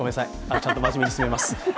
ちゃんと真面目に進めます。